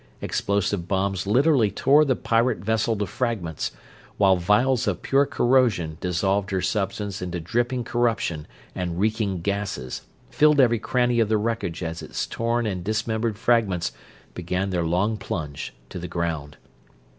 Explosive bombs literally tore the pirate vessel to fragments, while vials of pure corrosion dissolved her substance into dripping corruption and reeking gases filled every cranny of the wreckage as its torn and dismembered fragments began their long plunge to the ground.